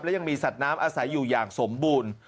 และยังมีสัตว์น้ำอาศัยอยู่อย่างสมบูรณ์